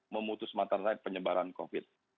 memutus mata raight penyebaran covid